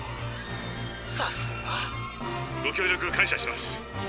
さすが。ご協力感謝します。